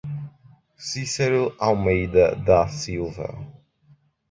Cicero Almeida da Silva